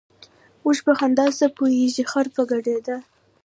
ـ اوښ په خندا څه پوهېږي ، خر په ګډېدا.